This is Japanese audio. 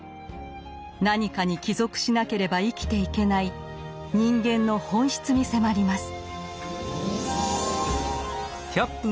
何かに帰属しなければ生きていけない人間の本質に迫ります。